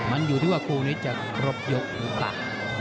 มันอยู่ที่ว่าคู่นี้จะครบยกหรือเปล่า